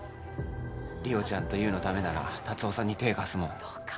梨央ちゃんと優のためなら達雄さんに手え貸すもん